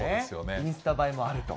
インスタ映えもあると。